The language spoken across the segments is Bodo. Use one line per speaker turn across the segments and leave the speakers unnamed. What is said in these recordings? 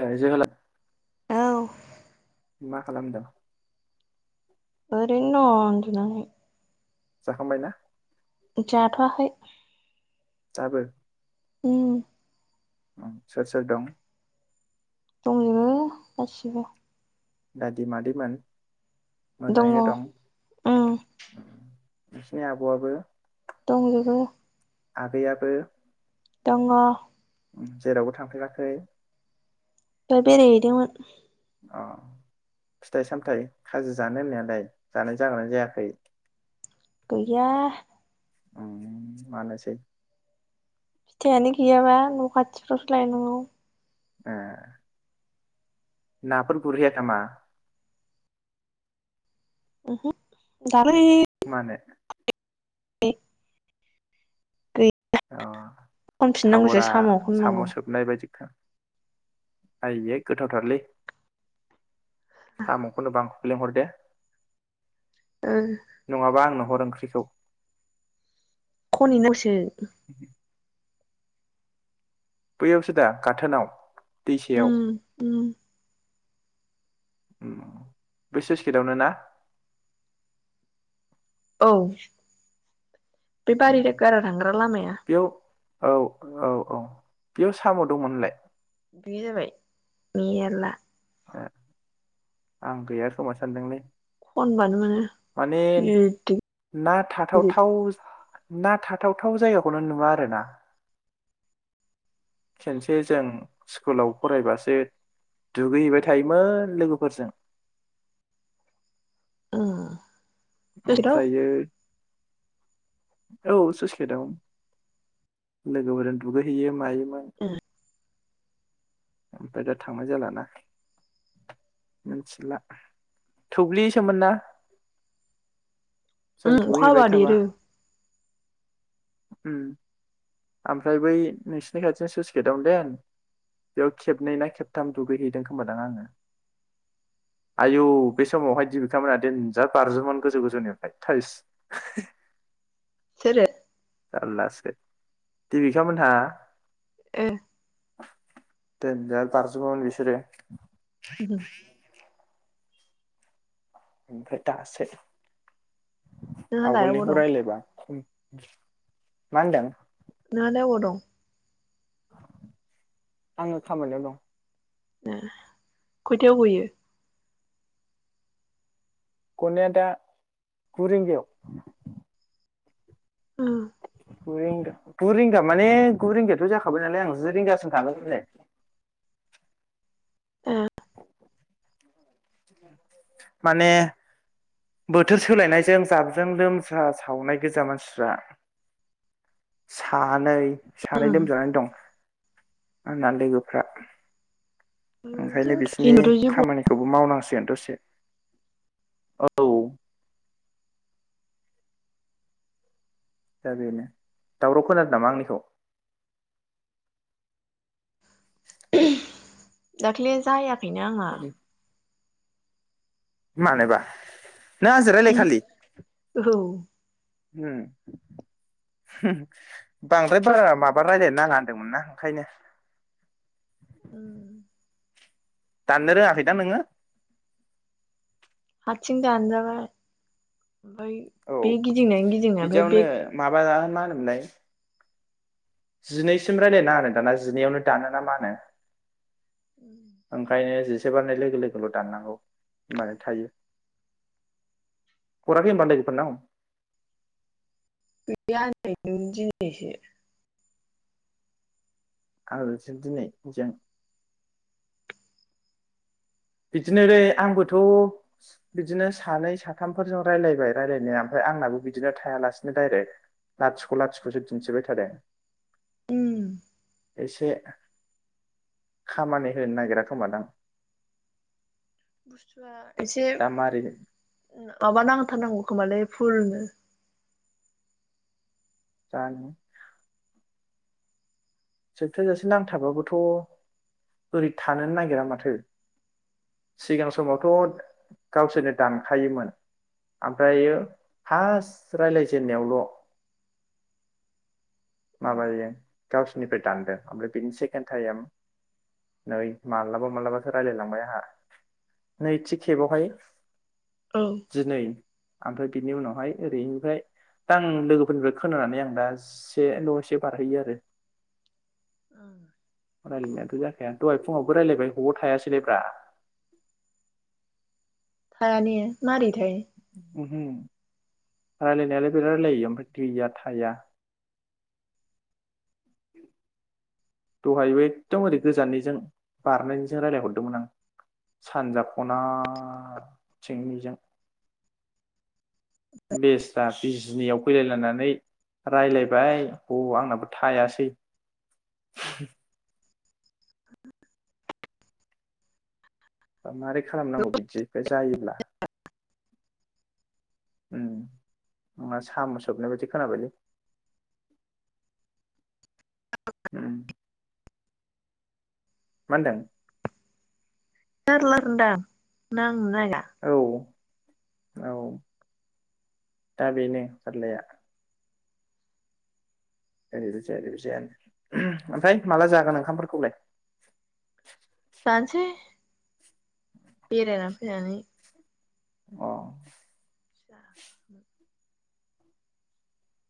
ए जोहोला
औ
मा खालामदों?
ओरैनो दंङ उन्दुनानै।
जाखांबायना?
जाथआखै।
दाबो?
उम्म
सोर सोर दं?
दंजोबो गासिबो।
दादि मादैमोन
दङ
मोजाङैनो दं।
उम
नोंसिनि आब' आबो
दंजोबो
आगैयाबो
दंङ।
जेरावबो थांफेराखै?
बे बेराय हैदोंमोन।
अ फिथाइ सामथायाइ खाजि जानो होननायालाय जानाय जागोना जायाखै?
गैया
उम्म मानोसै?
फिथाइयानो गैयाबा न' खाथिफ्रावसो लाय नांगौ।
ए नाफोर गुरहैया नामा?
उम्महो दाख्लै
मानो?
[unintelligible] गै
अ
खनफिननांगौसो
टावरा
साम' खननांगौ
साम' सोबनाय बायदिखा। आइयै गोथावथारलै साम' खनोबा आंखौबो लेंहर दे।
ओ
नङाबा आंनो हर ओं ख्रिखौ
खनै [unintelligible]
बैयावसो दा गाथोनाव?
उम
दैसायाव
उम
उम्म बै सुइस गेटावनो ना?
औ बेबारि
उम,
गारा थांग्रा लामाया
बेयाव औ औ औ बेयाव साम' दंमोन होनलाय?
गैया जाबाय मेरला।
ए आं गैया खोमा सानदोंलै।
खनबानो मोनो
माने
गिदिर
ना
गिदिर
थाथावथाव स ना थाथावथाव जायगाखौनो नुवा आरोना खेनसे जों स्कुलाव फरायबासो दुगैहैबाय थायोमोन लोगोफोरजों।
ओ
ओमफ्रायो औ सुइस गेटआव लोगोफोरजों दुगैहैयो मायो।
ओ
ओमफ्राय दा थांनाय जालाना मोथिला थुब्लिसोमोन ना? जों
उम अखा
दुगैहैबाय
हाबा
थाबा
देरो।
उम ओमफ्राय बै नोंसिनि खाथियाव सुइस गेटआवनो देन बेयाव खेबनै ना खेबथाम दुगैहैदों खोमादां आङो। आयु बे समावहाय दिबिखा मोना देनजार बारज्रुमोमोन गोजौ गोजौनिफ्राय थोइस।
सोरो?
जारलासो देबिखा मोनहा।
ओ
देनजार बारज्रुमोमोन बिसोरो।
ओहोम
ओमफ्राय दासो
नोंहालाय अबाव
आवगोलनिखौ
दं
रायलायबा खम मा होनदों?
नोंहालाय अबाव दं?
आङो खामानियाव दं।
ए खयथायाव गयो?
गनाया दा गु रिंगायाव।
ओ
गुरिंगा गुरिंगा माने गुरिंगायाथ' जाखाबाय नालाय आं जि रिंगासिम थांगोन दिनै।
ए
माने बोथोर सोलायनायजों जाबजों लोमजा सावनाय गोजा मानसिफ्रा सानै सानै लोमजानानै दं। आंना लोगोफ्रा।
उम
ओंखायनो बिसिनि
दिनैथ' जिग'
खामानिखौबो मावनां जेन दसे अ' औ दा बेनो दावराव खोनादो नामा आंनिखौ?
दाखलि जायाख खैनो आंना
मानोबा नों आंजों रायलाय
ओम औ।
ओम होम बांद्राय बारा माबा रायलायनो नाङा होनदोंमोन ना ओंखायनो।
हो
दाननो रोङाखैदां नोङो?
आथिं दानजाबाय। ओमफ्राय
औ
बे गिदिंनायानो गिदिंनाय ओमफ्राय
बिदियावनो
बे
माबा मा होनोमोनलाय? जिनैसिम रायलायना आरो दाना जिनैयावनो दानोना मा होनो? ओंखायनो। से बारनाय लोगो लोगोल' दाननांगौ होनबानो थायो। हराखै होनबा लोगोफोरनाव?
[unintelligible] दिनैसो
आरो दि-दिनै जों बिदिनोलै आंबोथ' बिदिनो सानै साथामफोरजों रायलायबाय रायलायनाया ओमफ्राय आंनाबो बिदिनो थायालासिनो डाइरेक्ट लाथिख' लाथिख'सो दिन्थिबाय थादों।
उम
इसे खामानि होनो नागिरा खोमादां?
बुस्थुवा।
दा मारै
इसेब माबा नांथारनांगौ खोमालै फुलनो।
दानो सोबथा जासे नांथाबाबोथ' बोरै थानोनो नागिरा माथो सिगां समावथ' गावसोरनो दानखायोमोन ओमफ्रायो फार्स्ट रायलायजेननायावल' माबायो गावसोरनिफ्राय दानदो ओमफ्राय बिनि सेकेण्ड टाइम नै मालाबा मालाबासो रायलायलांबाय आंहा नैथि खेबावहाय।
औ
दिनै ओमफ्राय बिनि उनावहाय ओरैनिफ्राय दा आं लोगोफोरनिफ्राय खोनानानै आं दा इस एसेल' एसे बारहैयो आरो।
ओं
रायलायनायाथ' जाखाया दहाय फुङावबो रायलायबाय हबाव थायासैलायब्रा।
थाया ने मारै थाय?
ओमहो रायलायनायालाय बिराद रायलायो ओमफ्राय दैया थाया। दहायबो एकदम ओरै गोजाननिजों बारनायनिजों रायलायहरदोंमोन आं सानजा ख'ना थिंनिजों। बेस्रा बिजनियाव फैलायलायनानै रायलायबाय ब आंनाबो थायासै। माबारै खालामनांगौ बिदि बे जायोब्ला। ओम नङा सामु सोबनाय बायदि खोनाबायलै। ओम मा होनदों?
[unintelligible] दा नांनोनाय
औ औ दा बेनो जारलाया। ओरैबो जाया ओरैबो जायानो। ओम ओमफ्राय माला जागोन ओंखामफोरखौलाय?
जानोसै बेरायना फैनानै
अ
[unintelligible]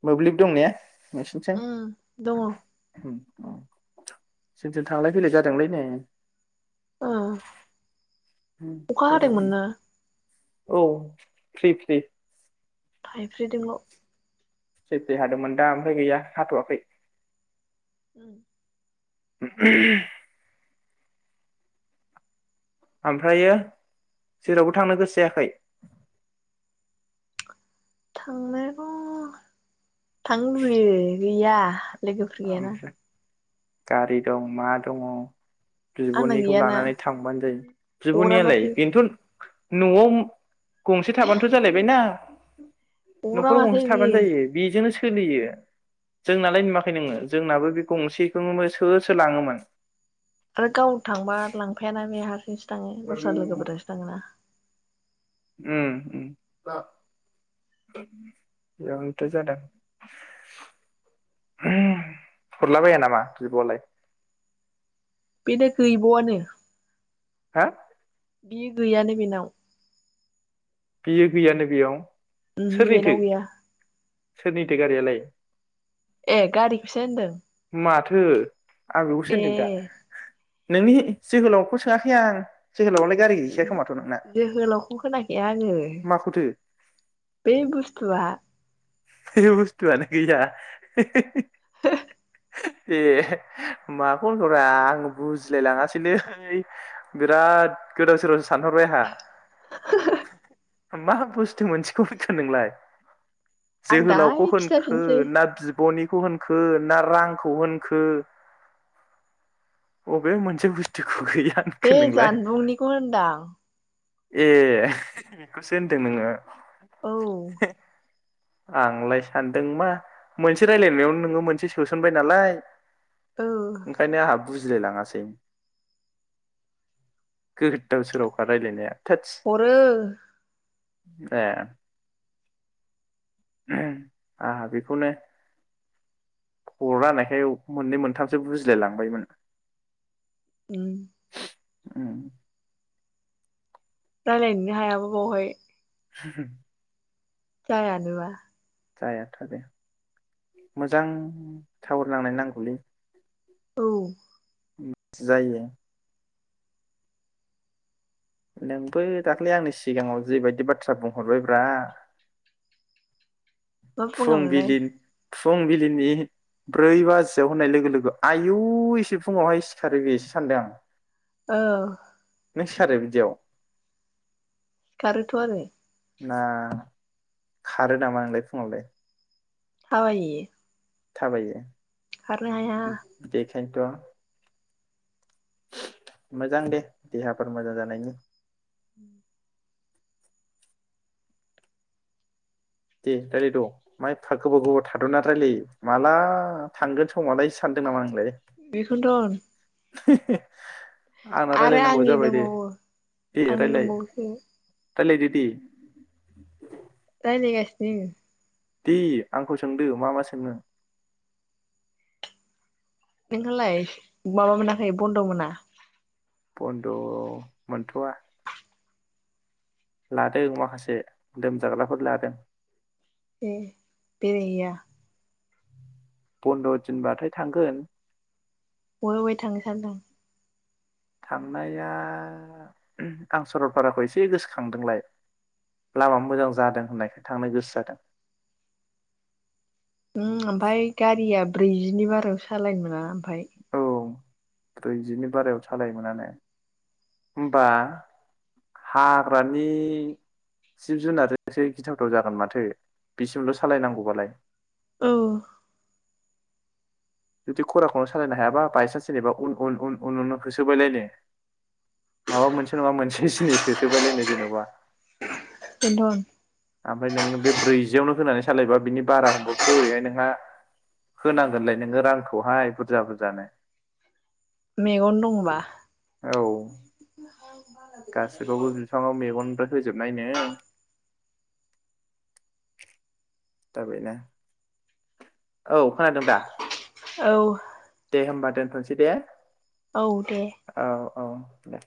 मोब्लिब दं ने? मिसिबनोसै
उम दङ
आं। जोंनिजों थांलाय फैलाय जादोंलै ने?
ओ अखा हादोंमोन
[unintelligible]
ना
औ फ्रि फ्रि
थाइफ्रिदोंल'
फ्रि-फ्रि हादोंमोन दा ओमफ्राय गैया हाथ'वाखै।
उम [inaudible]
[unintelligible] ओमफ्रायो जेरावबो थांनो गोसो जायाखै?
थांनायखौ थांनो लुबैयो। गैया लोगोफोर गैयाना।
ओमफ्राय गारि दं मा दङ
आंना
बिब'निखौ
गैयाना
लानानै थांबानो जायो
हरा
बिब'नियालाय?
माथो
बेनोथ' न'आव गंसे थाबानोथ' जालायबाय ना
हरा
न'खराव
माथो
गंसे थाबानो
बियो
जायो बेजोंनो सोलियो जोंनालाय आया नोङो जोंनाबो बे गंसेखौ सोर सोर लाङोमोन
आरो गाव थांबा लांफायाना बे हारसिंसो थाङो दस्रा लोगोफोरजोंसो थाङोना
उम बेयावनोथ' जादों हरलाबाया नामा बिब'आलाय?
बेना गैबावानो
हा?
बियो गैयानो बेनाव
बियो गैयानो बेयाव
उमहो
सोरनिथो
बेनाव गैया।
सोरनिथो गारियालाय?
ए गारिखौसो होनदों?
माथो। आं बेखौसो होनदों दा।
ए
नोंनि जोहोलावखौ सोङाखै आं। जोहोलावालाय गारि गैखाया खोमाथ' नोंना
जोहोलावखौ होनाखै आङो
माखौथो
बे बुस्थुआ
बे बुस्थुआानो गैया।
हो
ए माखौ होनोरा आं बुजिलाय लाङासैलै बिराद गोदाव सोरावसो सानहरबाय आंहा मा बुस्थु मोनसेखौ होनखो नोंलाय?
आं
जोहोलावखौ
दाहाय
होनखो
खिथाफिनसै
ना बिब'नि खु होनखो ना रांखौ होनखो अबे मोनसे बुस्थुखौ गैया। होनखो
बे
नोंलाय
जानबुंनिखौ होनदां
ए बेखौसो होनदों नोङो?
औ
[inaudible] आंलाय सानदों मा मोनसे रायलायनायावनो नोङो मोनसे सोनबाय नालाय
औ
ओंखायनो आंहाबो बुजिलायलाङासै गोदाव सोरावखा रायलायनाया। थोदस
हरो
ए आंहा बेखौनो हरा होननायखाय मोननै मोनथामसो बुजिलायलांबायमोन।
उम
उम
दालायनोनो हायाबा बावहाय
[inaudible]
जायानोबा
जायाथ आरो मोजां टावार नांनाय नांगौलै।
औ।
ओम जायो। नोंबो दाख्ललि आंनि सिगाङाव जेबायदि बाथ्रा बुंहरबायब्रा
मा बुङा मोनलाय?
फुंबिलि फुंबिलिनि ब्रै बाजियाव होननाय लोगो लोगो आयु एसे फुङावहाय सिखारो बेसो सानदों आं।
औ
नों‌ सिखारो बिदियाव?
सिखारो थ'आरो।
ना खारो नामा नोंलाय फुङावलाय?
थाबायो।
थाबायो।
खारनो हाया।
इनोथ मोजां दे देहाफोर मोजां जानायनि।
उम
दे रायलायद मा एफा गोबाव गोबाव थादना रायलायो माला थांगोन समा लायसो सानदों नामा नों?
बेखोनोथ होन
[inaudible] आंना
आरो
रायलायनांगौआ
आंनि
जाबाय दे
दंबावो
दे
आंनि
रायलाय
दंबावोसो।
रायलायदो दे।
रायलाय गासिनो।
दे आंखौ सोंदो मा मा सोंनो।
नोंहालाय माबा मोनाखै बन्द' मोना?
बन्द' मोनथवा लादों माखासे लोमजाग्राफोर लादों।
ए बेेरायहैया?
बन्द दिनबाथाय थांगोन।
अवे अवे थांनो सानदों?
थांनाया आं सरलपाराखौ एसे गोसोखांदोंलाय लामा मोजां जादों होननायखाय थांनो गोसो जादों।
उम ओफाय गारिया ब्रैजिनि बारायाव सालायनो मोना। फाय
जादों औ ब्रैजिनि बारायाव सालायनोमोनाने ओमबा हाग्रानि जिब जुनार एससे गिथावथाव जागोन माथो बिसिमल' सालायनांगौबालाय।
औ।
जुदि खराखौनो सालायनो हायाबा बायसान्स जेनेबा उन उन उन उन उन उन होसोबायलायनो माबा मोनसे नङा मोनसे जिनिस होसोबायलायनो जेनेबा।
बेनथ'।
ब्रैजियावनो होनानै सालायबा बिनि बारा हमबावखौथ' ओरैहाय नोंहा होनांगोनलाय नोङो रांखौहाय बुरजा बुरजानो।
मेगन दंबा।
औ गासिबावबो बिफांआव मेगन बो होजोबनायनो। ताबायना। औ खोनादों दा?
औ।
दे होमबा दोनथ'नोसै दे।
औ दे।
औ औ दे।